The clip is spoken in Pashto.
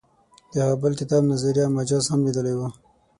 د هغه بل کتاب نظریه مجاز هم لیدلی و.